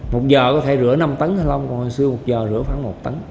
một giờ có thể rửa năm tấn thanh long còn hồi xưa một giờ rửa khoảng một tấn